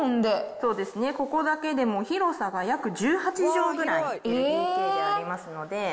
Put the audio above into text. そうですね、ここだけでも広さが約１８畳くらい、ＬＤＫでありますので。